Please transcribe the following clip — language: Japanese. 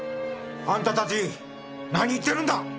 あんたたち何言ってるんだ！？